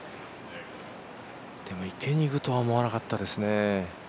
でも池にいくとは思わなかったですね。